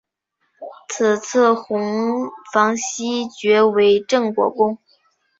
次子弘昉袭爵为镇国公。